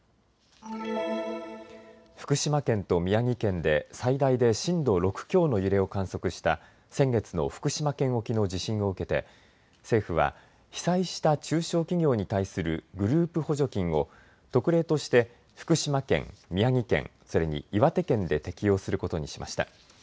福島県と宮城県で最大で震度６強の揺れを観測した先月の福島県沖の地震を受けて政府は被災した中小企業に対するグループ補助金を特例として福島県、宮城県、それに岩手県で適用することにしました。